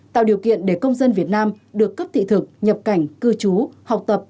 tạo điều kiện để công dân việt nam được cấp thị thực nhập cảnh cư trú học tập